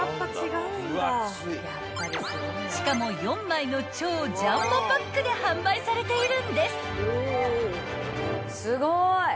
［しかも４枚の超ジャンボパックで販売されているんです］